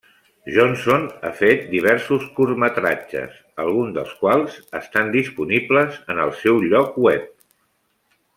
Johnson ha fet diversos curtmetratges, alguns dels quals estan disponibles en el seu lloc web.